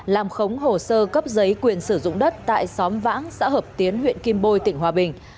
làm khống hồ sơ cấp giấy quyền sử dụng đất tại xóm vãng xã hợp tiến huyện kim bôi tỉnh hòa bình